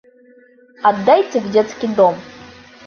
Отдайте в детский дом.